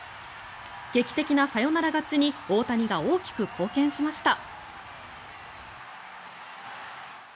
劇的なサヨナラ勝ちに、大谷が大きく貢献しました。